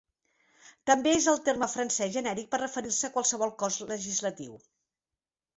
També és el terme francès genèric per referir-se a qualsevol cos legislatiu.